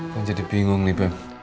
kan jadi bingung nih beb